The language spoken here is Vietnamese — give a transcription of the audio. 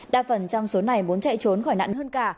đa phần trong số này muốn chạy trốn khỏi nạn hơn cả